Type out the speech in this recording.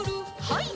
はい。